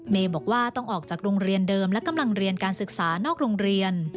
บอกว่าต้องออกจากโรงเรียนเดิมและกำลังเรียนการศึกษานอกโรงเรียน